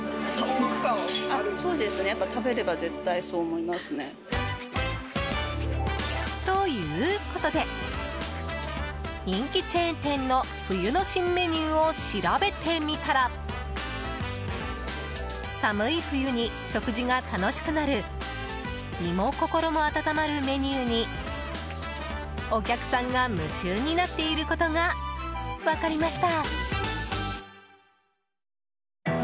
いかがでしたか？ということで人気チェーン店の冬の新メニューを調べてみたら寒い冬に食事が楽しくなる身も心も温まるメニューにお客さんが夢中になっていることが分かりました。